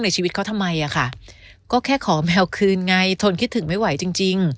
ชีวิตเขาทำไมอ่ะค่ะก็แค่ขอแมวคืนไงทนคิดถึงไม่ไหวจริงจริง